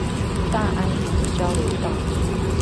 大安一交流道